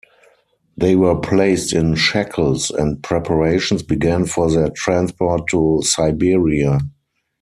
They were placed in shackles, and preparations began for their transport to Siberia.